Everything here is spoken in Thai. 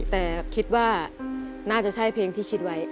แต่คิดว่าน่าจะใช่เพลงที่คิดไว้